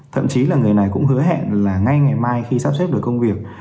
thậm chí là người này cũng hứa hẹn là ngay ngày mai khi sắp xếp được công việc